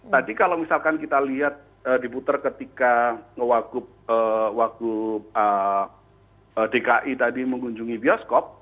tadi kalau misalkan kita lihat di putar ketika waktu dki tadi mengunjungi bioskop